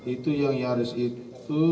itu yang yaris itu